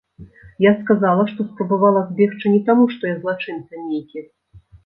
Я сказала, што спрабавала збегчы не таму што я злачынца нейкі.